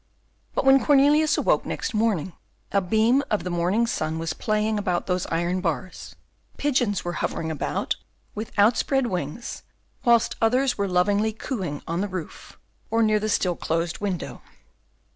But when Cornelius awoke next morning, a beam of the morning sun was playing about those iron bars; pigeons were hovering about with outspread wings, whilst others were lovingly cooing on the roof or near the still closed window.